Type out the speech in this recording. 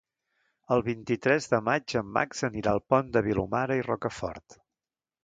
El vint-i-tres de maig en Max anirà al Pont de Vilomara i Rocafort.